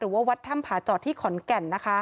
วัดถ้ำผาจอดที่ขอนแก่น